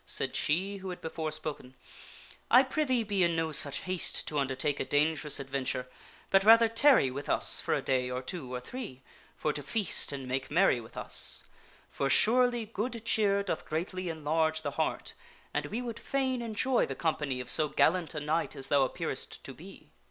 said she who had before spoken, " I prithee be in no such haste to under take a dangerous adventure, but rather tarry with us for a day The damoi s ,.. J ..^ J selies greet or two or three, for to feast and make merry with us. ror King Arthur. sure iy good cheer doth greatly enlarge the heart, and we would fain enjoy the company of so gallant a knight as thou appearest to be.